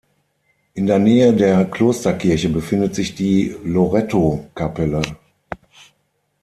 In der Nähe der Klosterkirche befindet sich die Lorettokapelle.